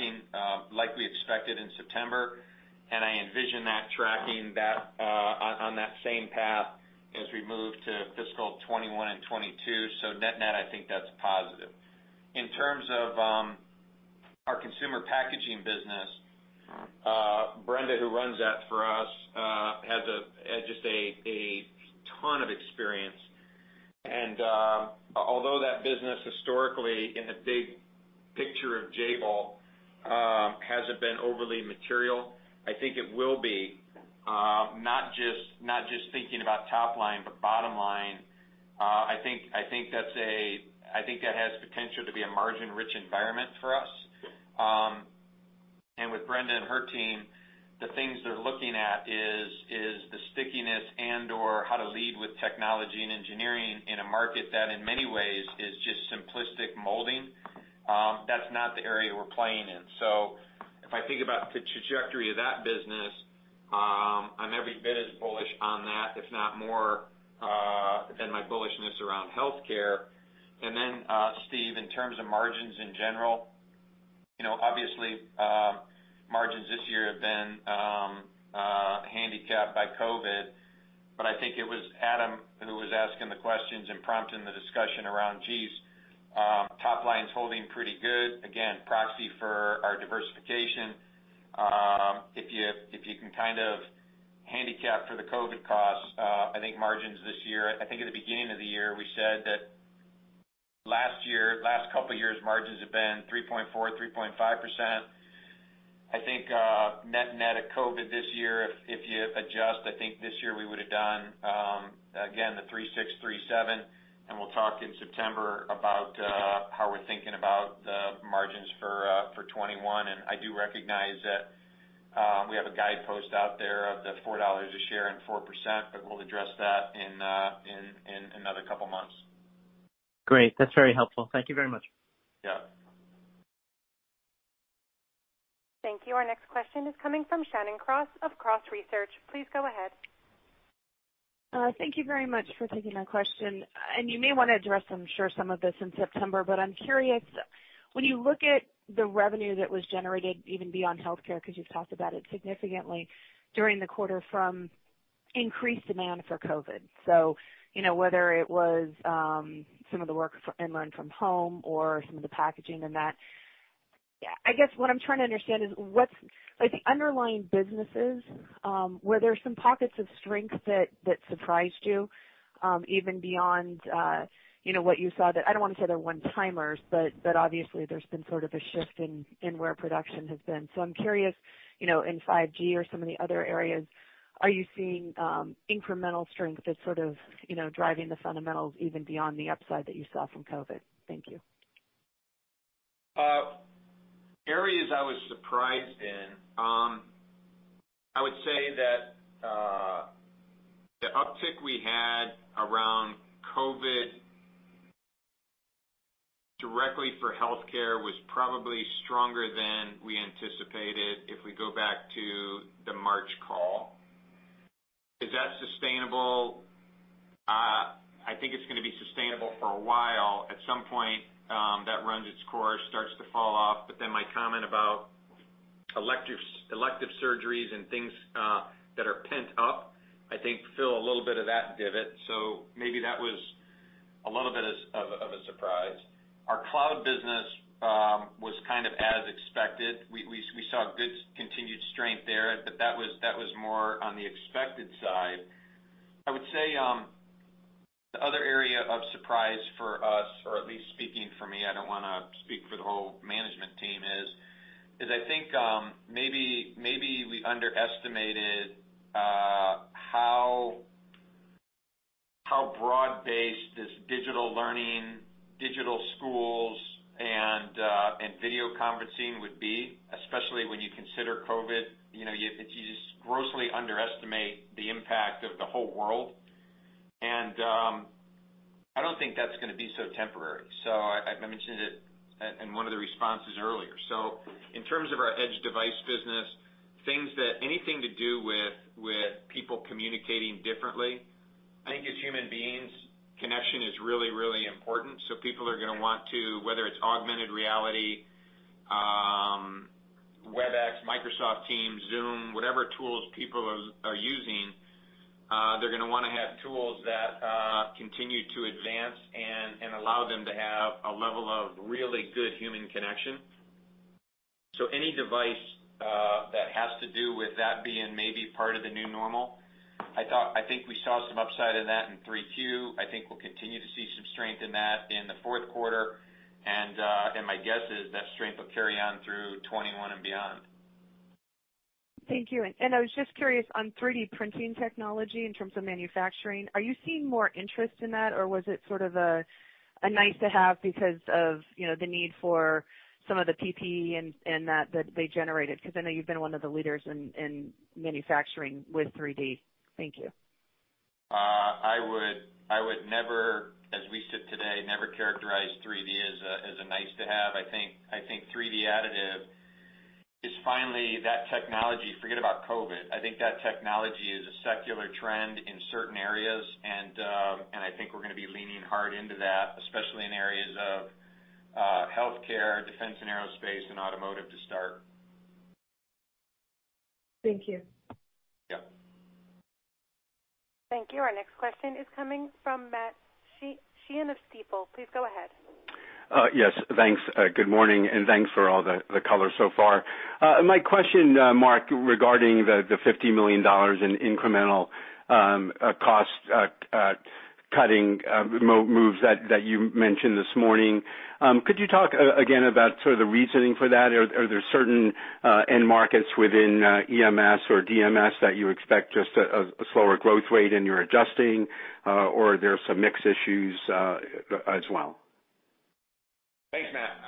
like we expected in September. And I envision that tracking on that same path as we move to fiscal 2021 and 2022. So net-net, I think that's positive. In terms of our consumer packaging business, Brenda, who runs that for us, has just a ton of experience. And although that business historically, in the big picture of Jabil, hasn't been overly material, I think it will be. Not just thinking about top line, but bottom line. I think that has potential to be a margin-rich environment for us. And with Brenda and her team, the things they're looking at is the stickiness and/or how to lead with technology and engineering in a market that, in many ways, is just simplistic molding. That's not the area we're playing in. So if I think about the trajectory of that business, I'm every bit as bullish on that, if not more, than my bullishness around healthcare. And then, Steve, in terms of margins in general, obviously, margins this year have been handicapped by COVID. But I think it was Adam who was asking the questions and prompting the discussion around, "Geez, top line's holding pretty good." Again, proxy for our diversification. If you can kind of handicap for the COVID costs, I think margins this year, I think at the beginning of the year, we said that last year, last couple of years, margins have been 3.4%-3.5%. I think net-net of COVID this year, if you adjust, I think this year we would have done, again, the 3.6%-3.7%. And we'll talk in September about how we're thinking about the margins for 2021. And I do recognize that we have a guidepost out there of the $4 a share and 4%, but we'll address that in another couple of months. Great. That's very helpful. Thank you very much. Yep. Thank you. Our next question is coming from Shannon Cross of Cross Research.Please go ahead. Thank you very much for taking my question, and you may want to address, I'm sure, some of this in September, but I'm curious when you look at the revenue that was generated even beyond healthcare, because you've talked about it significantly during the quarter from increased demand for COVID, so whether it was some of the work and learn from home or some of the packaging and that, yeah, I guess what I'm trying to understand is what's the underlying businesses where there are some pockets of strength that surprised you even beyond what you saw that I don't want to say they're one-timers, but obviously, there's been sort of a shift in where production has been. So I'm curious, in 5G or some of the other areas, are you seeing incremental strength that's sort of driving the fundamentals even beyond the upside that you saw from COVID? Thank you. Areas I was surprised in, I would say that the uptick we had around COVID directly for healthcare was probably stronger than we anticipated if we go back to the March call. Is that sustainable? I think it's going to be sustainable for a while. At some point, that runs its course, starts to fall off. But then my comment about elective surgeries and things that are pent up, I think, fill a little bit of that divot. So maybe that was a little bit of a surprise. Our cloud business was kind of as expected. We saw good continued strength there, but that was more on the expected side. I would say the other area of surprise for us, or at least speaking for me, I don't want to speak for the whole management team, is I think maybe we underestimated how broad-based this digital learning, digital schools, and video conferencing would be, especially when you consider COVID. You just grossly underestimate the impact of the whole world, and I don't think that's going to be so temporary, so I mentioned it in one of the responses earlier, so in terms of our edge device business, anything to do with people communicating differently, I think as human beings, connection is really, really important, so people are going to want to, whether it's augmented reality, Webex, Microsoft Teams, Zoom, whatever tools people are using, they're going to want to have tools that continue to advance and allow them to have a level of really good human connection. So any device that has to do with that being maybe part of the new normal. I think we saw some upside in that in 3Q. I think we'll continue to see some strength in that in the fourth quarter. And my guess is that strength will carry on through 2021 and beyond. Thank you. And I was just curious on 3D printing technology in terms of manufacturing. Are you seeing more interest in that, or was it sort of a nice-to-have because of the need for some of the PPE and that they generated? Because I know you've been one of the leaders in manufacturing with 3D. Thank you. I would never, as we sit today, never characterize 3D as a nice-to-have. I think 3D additive is finally that technology, forget about COVID. I think that technology is a secular trend in certain areas. And I think we're going to be leaning hard into that, especially in areas of healthcare, defense and aerospace, and automotive to start. Thank you. Yep. Thank you. Our next question is coming from Matt Sheerin of Stifel. Please go ahead. Yes. Thanks. Good morning. And thanks for all the color so far. My question, Mark, regarding the $50 million in incremental cost-cutting moves that you mentioned this morning, could you talk again about sort of the reasoning for that? Are there certain end markets within EMS or DMS that you expect just a slower growth rate and you're adjusting, or are there some mixed issues as well? Thanks, Matt.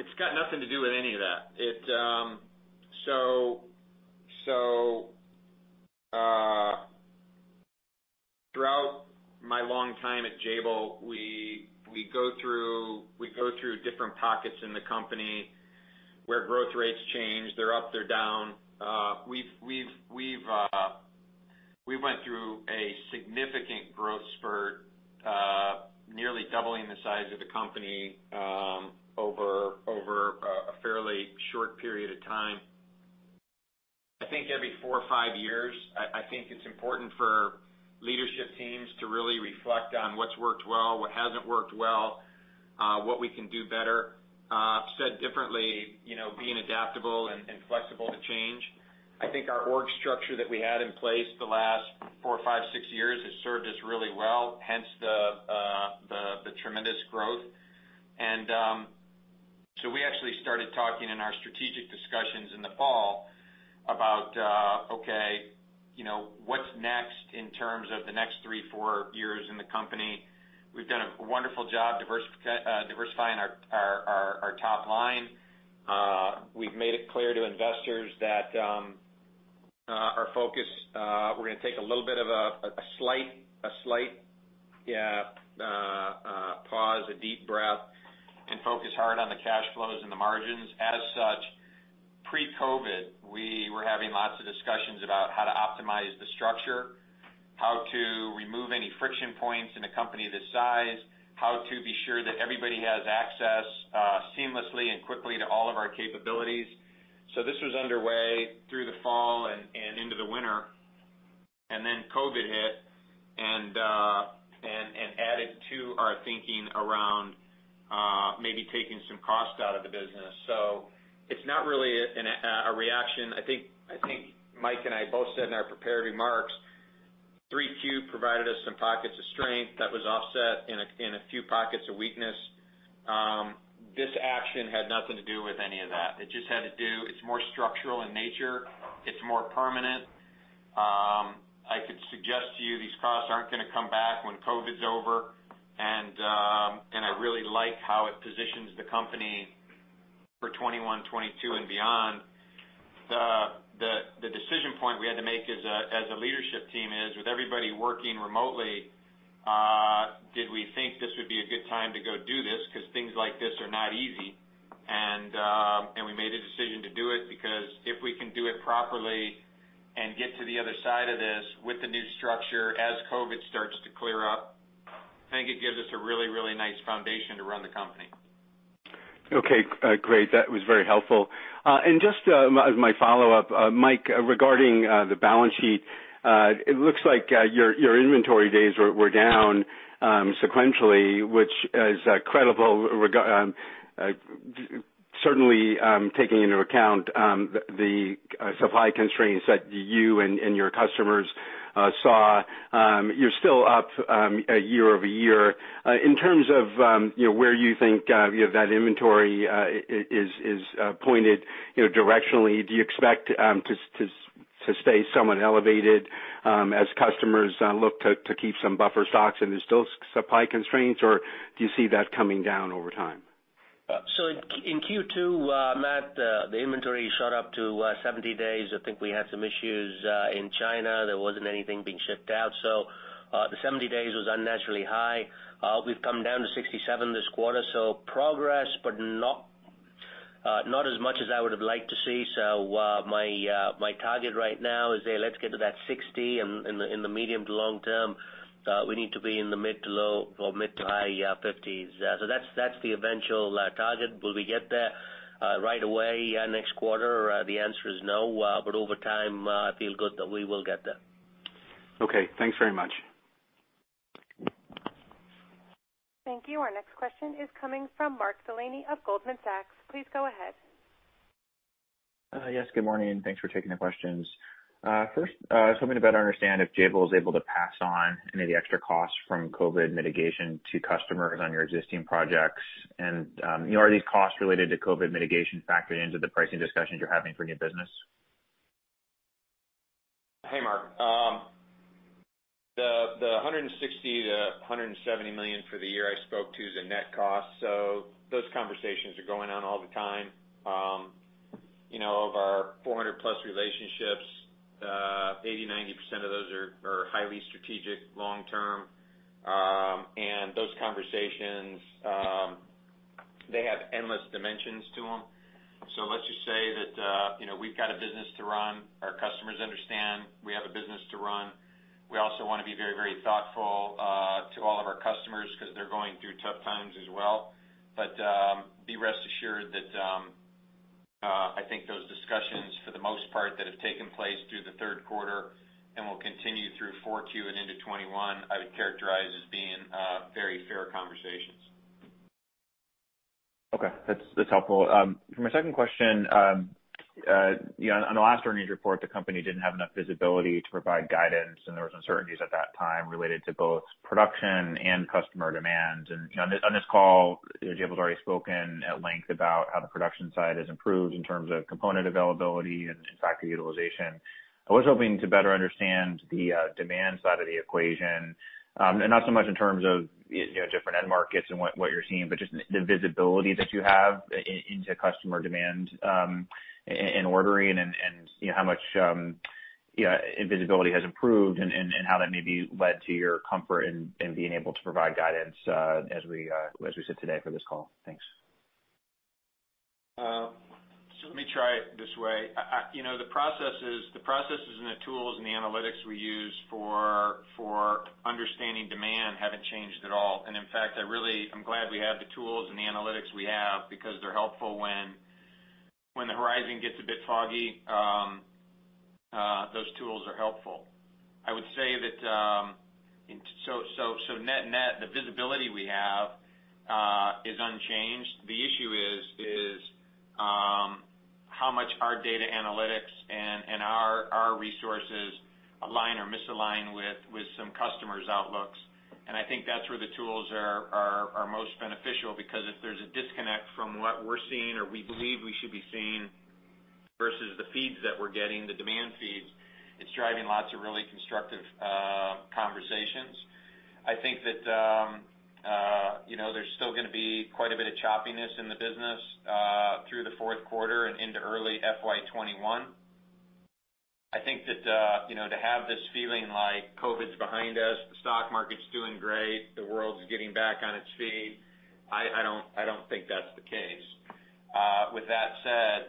It's got nothing to do with any of that. So throughout my long time at Jabil, we go through different pockets in the company where growth rates change. They're up. They're down. We went through a significant growth spurt, nearly doubling the size of the company over a fairly short period of time. I think every four or five years, I think it's important for leadership teams to really reflect on what's worked well, what hasn't worked well, what we can do better. Said differently, being adaptable and flexible to change. I think our org structure that we had in place the last four, five, six years has served us really well, hence the tremendous growth, and so we actually started talking in our strategic discussions in the fall about, "Okay, what's next in terms of the next three, four years in the company?" We've done a wonderful job diversifying our top line. We've made it clear to investors that our focus, we're going to take a little bit of a slight pause, a deep breath, and focus hard on the cash flows and the margins. As such, pre-COVID, we were having lots of discussions about how to optimize the structure, how to remove any friction points in a company this size, how to be sure that everybody has access seamlessly and quickly to all of our capabilities, so this was underway through the fall and into the winter, and then COVID hit and added to our thinking around maybe taking some cost out of the business, so it's not really a reaction. I think Mike and I both said in our prepared remarks, 3Q provided us some pockets of strength that was offset in a few pockets of weakness. This action had nothing to do with any of that. It just had to do. It's more structural in nature. It's more permanent. I could suggest to you these costs aren't going to come back when COVID's over. And I really like how it positions the company for 2021, 2022, and beyond. The decision point we had to make as a leadership team is, with everybody working remotely, did we think this would be a good time to go do this? Because things like this are not easy. And we made a decision to do it because if we can do it properly and get to the other side of this with the new structure as COVID starts to clear up, I think it gives us a really, really nice foundation to run the company. Okay. Great. That was very helpful. And just as my follow-up, Mike, regarding the balance sheet, it looks like your inventory days were down sequentially, which is credible, certainly taking into account the supply constraints that you and your customers saw. You're still up a year-over-year. In terms of where you think that inventory is pointed directionally, do you expect to stay somewhat elevated as customers look to keep some buffer stocks and there's still supply constraints, or do you see that coming down over time? So in Q2, Matt, the inventory shot up to 70 days. I think we had some issues in China. There wasn't anything being shipped out. So the 70 days was unnaturally high. We've come down to 67 this quarter. So progress, but not as much as I would have liked to see. So my target right now is, hey, let's get to that 60. And in the medium to long term, we need to be in the mid to low or mid to high 50s, so that's the eventual target. Will we get there right away next quarter? The answer is no, but over time, I feel good that we will get there. Okay. Thanks very much. Thank you. Our next question is coming from Mark Delaney of Goldman Sachs. Please go ahead. Yes. Good morning. Thanks for taking the questions. First, I was hoping to better understand if Jabil is able to pass on any of the extra costs from COVID mitigation to customers on your existing projects, and are these costs related to COVID mitigation factored into the pricing discussions you're having for new business? Hey, Mark. The $160 million-$170 million for the year I spoke to is a net cost, so those conversations are going on all the time. Of our 400-plus relationships, 80%-90% of those are highly strategic, long-term. And those conversations, they have endless dimensions to them. So let's just say that we've got a business to run. Our customers understand we have a business to run. We also want to be very, very thoughtful to all of our customers because they're going through tough times as well. But be rest assured that I think those discussions, for the most part, that have taken place through the third quarter and will continue through 4Q and into 2021, I would characterize as being very fair conversations. Okay. That's helpful. For my second question, on the last earnings report, the company didn't have enough visibility to provide guidance, and there were uncertainties at that time related to both production and customer demand. And on this call, Jabil's already spoken at length about how the production side has improved in terms of component availability and factory utilization. I was hoping to better understand the demand side of the equation, not so much in terms of different end markets and what you're seeing, but just the visibility that you have into customer demand and ordering and how much visibility has improved and how that may be led to your comfort in being able to provide guidance as we sit today for this call. Thanks. So let me try it this way. The processes and the tools and the analytics we use for understanding demand haven't changed at all. And in fact, I'm glad we have the tools and the analytics we have because they're helpful when the horizon gets a bit foggy. Those tools are helpful. I would say that so net-net, the visibility we have is unchanged. The issue is how much our data analytics and our resources align or misalign with some customers' outlooks, and I think that's where the tools are most beneficial because if there's a disconnect from what we're seeing or we believe we should be seeing versus the feeds that we're getting, the demand feeds, it's driving lots of really constructive conversations. I think that there's still going to be quite a bit of choppiness in the business through the fourth quarter and into early FY2021. I think that to have this feeling like COVID's behind us, the stock market's doing great, the world's getting back on its feet, I don't think that's the case. With that said,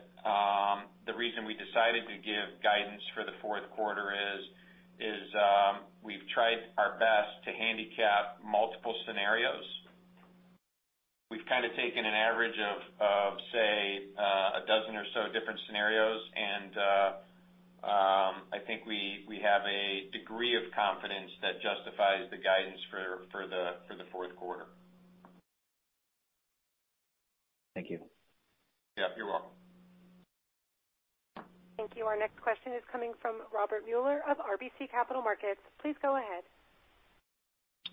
the reason we decided to give guidance for the fourth quarter is we've tried our best to handicap multiple scenarios. We've kind of taken an average of, say, a dozen or so different scenarios. And I think we have a degree of confidence that justifies the guidance for the fourth quarter. Thank you. Yep. You're welcome. Thank you. Our next question is coming from Robert Muller of RBC Capital Markets. Please go ahead.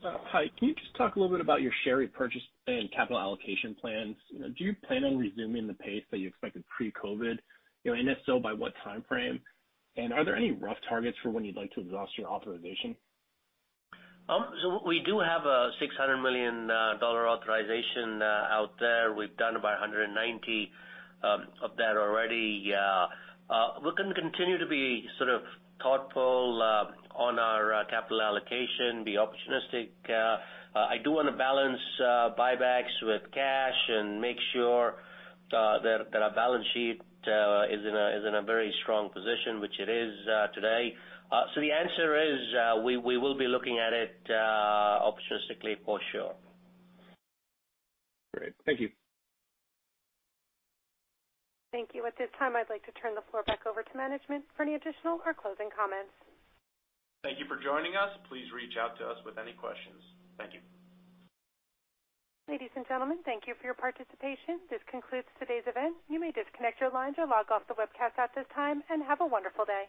Hi. Can you just talk a little bit about your share purchase and capital allocation plans? Do you plan on resuming the pace that you expected pre-COVID? And if so, by what timeframe? And are there any rough targets for when you'd like to exhaust your authorization? So we do have a $600 million authorization out there. We've done about $190 million of that already. We're going to continue to be sort of thoughtful on our capital allocation, be opportunistic. I do want to balance buybacks with cash and make sure that our balance sheet is in a very strong position, which it is today. So the answer is we will be looking at it opportunistically, for sure. Great. Thank you. Thank you. At this time, I'd like to turn the floor back over to management for any additional or closing comments. Thank you for joining us. Please reach out to us with any questions. Thank you. Ladies and gentlemen, thank you for your participation. This concludes today's event. You may disconnect your lines or log off the webcast at this time, and have a wonderful day.